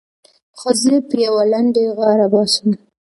خو زه په يوه لنډۍ غاړه باسم.